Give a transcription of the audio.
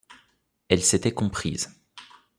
Elles s’étaient comprises.